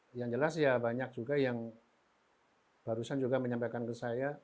dan yang jelas banyak juga yang barusan juga menyampaikan ke saya